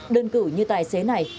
đơn cử như tài xế này